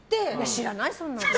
知らない、そんなの。